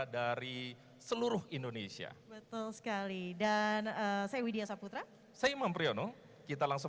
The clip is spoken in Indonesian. dari seluruh indonesia betul sekali dan saya widya saputra saya imam priyono kita langsung